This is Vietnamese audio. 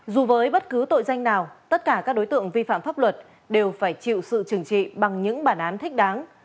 dù với bất cứ tội danh nào tất cả các đối tượng vi phạm pháp luật đều phải chịu sự trừng trị bằng những bản án thích đáng